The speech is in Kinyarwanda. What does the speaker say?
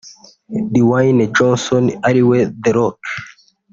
Dwayne Johnson ari we The Rock